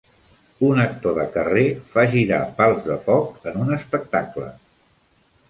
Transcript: Un actor de carrer fa girar pals de foc en un espectable.